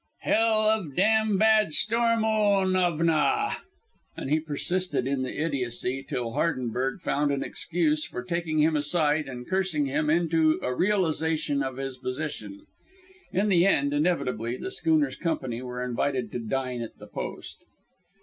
" hell of dam' bad storm onavna." And he persisted in the idiocy till Hardenberg found an excuse for taking him aside and cursing him into a realization of his position. In the end inevitably the schooner's company were invited to dine at the post.